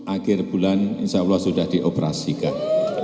akhir bulan insya allah sudah dioperasikan